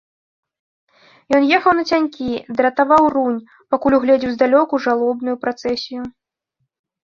Ён ехаў нацянькі, дратаваў рунь, пакуль угледзеў здалёку жалобную працэсію.